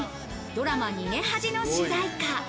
ドラマ『逃げ恥』の主題歌。